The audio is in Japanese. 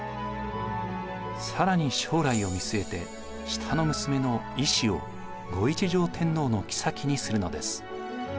更に将来を見据えて下の娘の威子を後一条天皇の后にするのです。